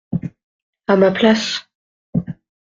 À ma place.